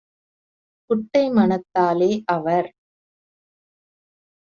குட்டை மனத்தாலே - அவர்